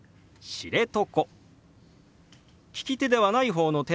「知床」。